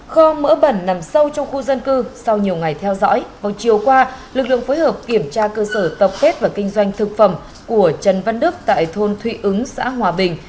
kho mỡ bẩn nằm sâu trong khu dân cư sau nhiều ngày theo dõi vào chiều qua lực lượng phối hợp kiểm tra cơ sở tập kết và kinh doanh thực phẩm của trần văn đức tại thôn thụy ứng xã hòa bình